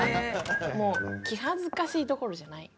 もう気はずかしいどころじゃない。